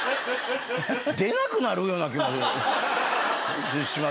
出なくなるような気もしますけどね。